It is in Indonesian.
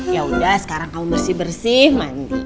yaudah sekarang kamu bersih bersih mandi